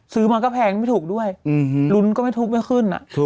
ซื้อมาก็แพงไม่ถูกด้วยลุ้นก็ไม่ถูกไม่ขึ้น